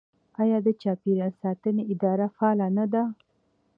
آیا د چاپیریال ساتنې اداره فعاله نه ده؟